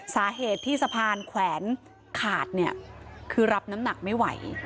สาเหตุที่สะพานแขวนขาดเนี่ยคือรับน้ำหนักไม่ไหว